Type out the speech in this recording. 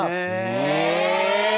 え！